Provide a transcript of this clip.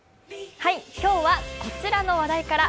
今日はこちらの話題から。